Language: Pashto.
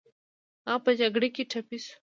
هغه په جګړه کې ټپي شو